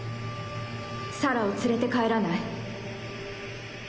サラを連れて帰らない？